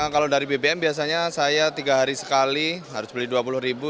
kalau dari bbm biasanya saya tiga hari sekali harus beli rp dua puluh ribu